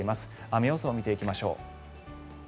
雨予想を見ていきましょう。